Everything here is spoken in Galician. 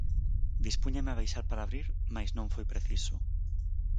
Dispúñame a baixar para abrir, mais non foi preciso.